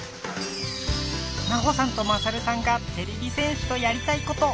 ナホさんとマサルさんがてれび戦士とやりたいこと。